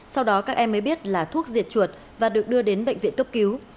sau đó các em mới biết là thuốc diệt chuột và được đưa đến bệnh viện cấp cứu